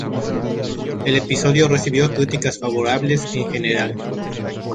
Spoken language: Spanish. El episodio recibió críticas favorables en general.